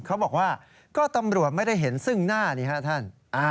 เขาบอกว่าก็ตำรวจไม่ได้เห็นซึ่งหน้านี่ฮะท่าน